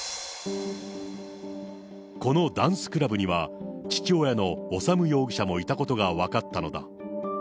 このダンスクラブには、父親の修容疑者もいたことが分かったのだ。